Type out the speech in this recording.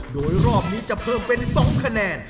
โดยรอบนี้จะเพิ่มเป็น๒คะแนน